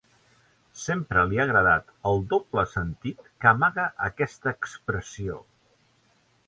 Sempre li ha agradat el doble sentit que amaga aquesta expressió.